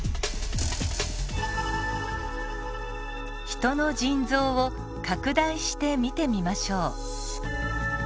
ヒトの腎臓を拡大して見てみましょう。